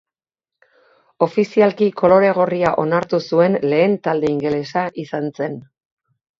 Ofizialki kolore gorria onartu zuen lehen talde ingelesa izan zen.